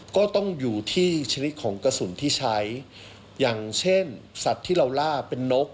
ก็ต้องอยู่ที่ชนิดของกระสุนที่ใช้อย่างเช่นสัตว์ที่เราล่าเป็นนก